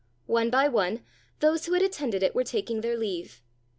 One by one, those who had attended it were taking their leave.